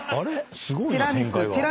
すごいな展開が。